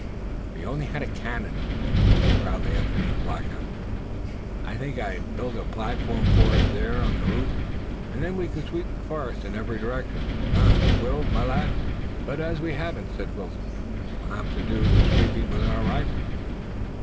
"If we only had a cannon!" he said, looking proudly at their new blockhouse, "I think I'd build a platform for it there on the roof, and then we could sweep the forest in every direction. Eh, Will, my lad?" "But as we haven't," said Wilton, "we'll have to do the sweeping with our rifles."